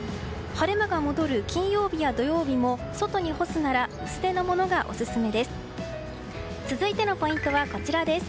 晴れ間が戻る金曜日や土曜日も外に干すなら薄手のものがオススメです。